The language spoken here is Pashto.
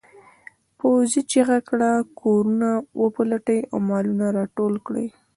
پوځي چیغه کړه کورونه وپلټئ او مالونه راټول کړئ.